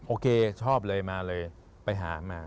โอเคชอบเลยมาเลยไปหามา